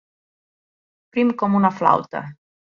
Prim com una flauta.